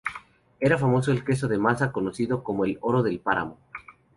Era famoso el queso de Masa, conocido como el "oro del páramo".